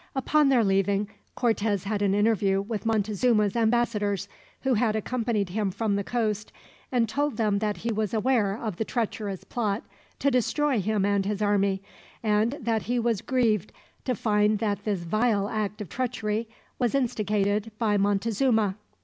Upon their leaving, Cortez had an interview with Montezuma's ambassadors, who had accompanied him from the coast, and told them that he was aware of the treacherous plot to destroy him and his army, and that he was grieved to find that this vile act of treachery was instigated by Montezuma.